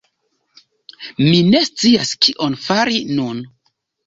Mi ne scias kion fari nun.